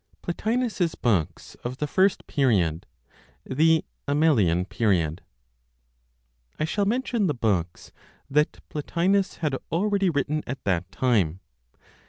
PLOTINOS'S BOOKS OF THE FIRST PERIOD (THE AMELIAN PERIOD). I shall mention the books that Plotinos had already written at that time.